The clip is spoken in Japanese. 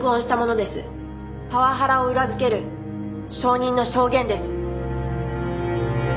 パワハラを裏付ける証人の証言です。